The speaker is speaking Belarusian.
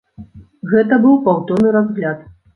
Гэта быў паўторны разгляд.